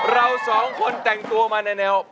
เราสองคนแต่งตัวมาในแนว